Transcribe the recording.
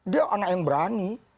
dia anak yang berani